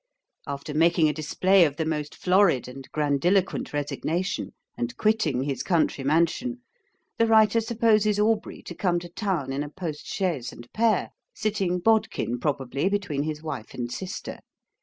After making a display of the most florid and grandiloquent resignation, and quitting his country mansion, the writer supposes Aubrey to come to town in a post chaise and pair, sitting bodkin probably between his wife and sister.